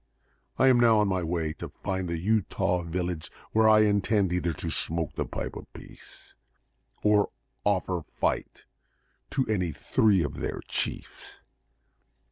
I am now on my way to find the Utah village, where I intend, either to smoke the pipe of peace, or offer fight to any three of their chiefs.